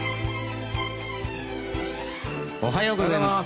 おはようございます。